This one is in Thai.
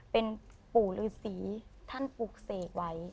เป็นปู่ฤษีท่านปลูกเสกไว้